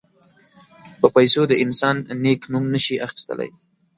په پیسو د انسان نېک نوم نه شي اخیستلای.